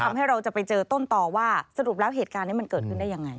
ทำให้เราจะไปเจอต้นต่อว่าสรุปแล้วเหตุการณ์นี้มันเกิดขึ้นได้ยังไง